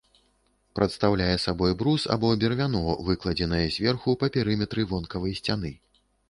Прадстаўляе сабой брус або бервяно, выкладзенае зверху па перыметры вонкавай сцяны.